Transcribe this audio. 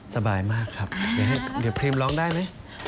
สบายมากครับเดี๋ยวพรีมร้องได้ไหม